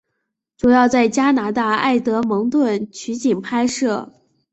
主要在加拿大埃德蒙顿取景拍摄。